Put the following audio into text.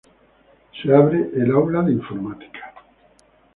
Se abre el Aula de Informática.